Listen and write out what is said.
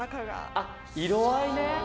あっ色合いね。